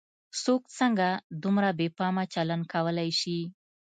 څوک څنګه دومره بې پامه چلن کولای شي.